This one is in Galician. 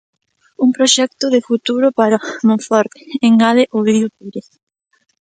"Un proxecto de futuro para Monforte", engade Ovidio Pérez.